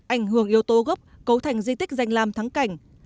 ảnh hưởng yếu tố gốc cấu thành di tích danh làm thắng cảnh